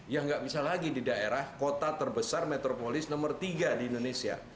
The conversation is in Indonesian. ya nggak bisa lagi di daerah kota terbesar metropolis nomor tiga di indonesia